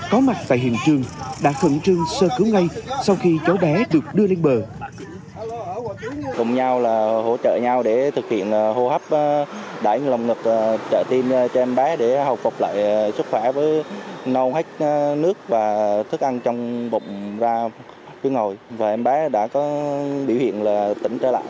có mặt tại hiện trường đã khẩn trương sơ cứu ngay sau khi cháu bé được đưa lên bờ